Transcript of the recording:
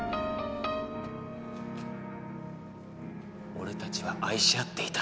俺たちは愛し合っていた。